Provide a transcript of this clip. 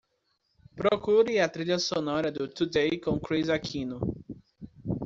Procure a trilha sonora do Today com Kris Aquino